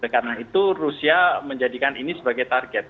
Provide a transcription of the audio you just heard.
karena itu rusia menjadikan ini sebagai target